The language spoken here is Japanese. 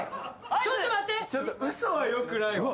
ちょっと待ってちょっとウソはよくないわ